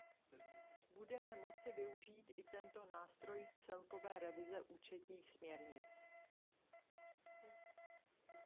Budeme moci využít i tento nástroj celkové revize účetních směrnic.